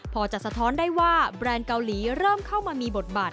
พอจะสะท้อนได้ว่าแบรนด์เกาหลีเริ่มเข้ามามีบทบาท